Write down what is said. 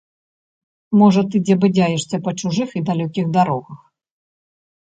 Можа, ты дзе бадзяешся па чужых і далёкіх дарогах!